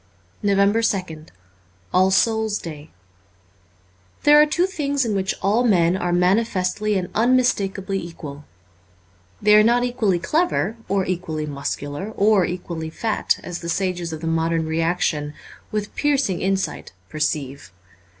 341 NOVEMBER 2nd ALL SOULS' DAY THERE are two things in which all men are manifestly and unmistakably equal. They are not equally clever or equally muscular or equally fat, as the sages of the modern reaction (with piercing insight) perceive.